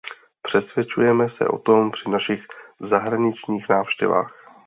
Přesvědčujeme se o tom při našich zahraničních návštěvách.